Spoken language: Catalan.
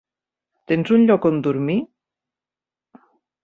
Tens un lloc on dormir?